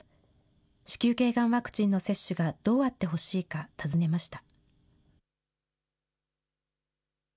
子宮けいがんワクチンの接種がどうあってほしいか尋ねました。